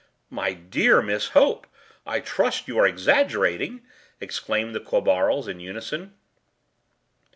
“_My dear_ Miss Hope! I trust you are exaggerating,” exclaimed the Quabarls in unison.